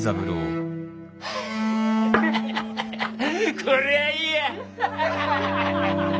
こりゃいいや！